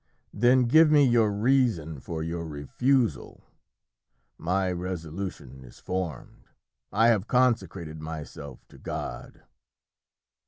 "Then give me your reason for your refusal." "My resolution is formed I have consecrated myself to God."